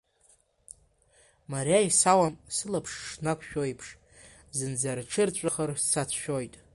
Мариа исауам сылаԥш шнақәшәоиԥш, зынӡа рҽырҵәахыр сацәшәоит.